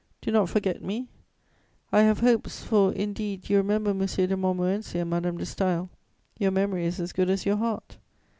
Do not forget me; I have hopes, for, indeed, you remember M. de Montmorency and Madame de Staël: your memory is as good as your heart.